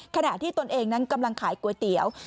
ขณะที่ตนเองนั้นกำลังขายก๋วยเตี๋ยว